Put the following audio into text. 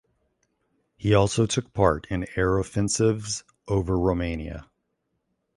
He also took part in air offensives over Romania.